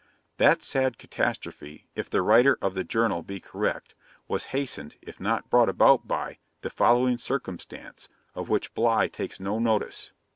That sad catastrophe, if the writer of the Journal be correct, was hastened, if not brought about by, the following circumstance, of which Bligh takes no notice.